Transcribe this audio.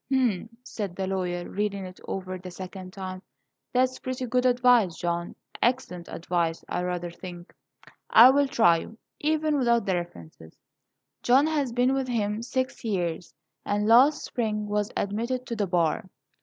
"H'm!" said the lawyer, reading it over the second time. "That's pretty good advice, John, excellent advice. I rather think I will try you, even without the references." John has been with him six years, and last spring was admitted to the bar.